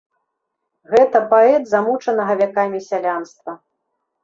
Гэта паэт замучанага вякамі сялянства.